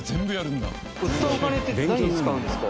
売ったお金って何に使うんですか？